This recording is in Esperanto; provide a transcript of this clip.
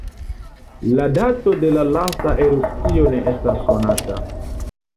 La dato de la lasta erupcio ne estas konata.